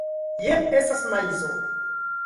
Jen estas maizo.